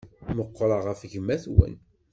Meqqṛeɣ ɣef gma-twen.